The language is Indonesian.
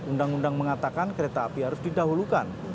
undang undang mengatakan kereta api harus didahulukan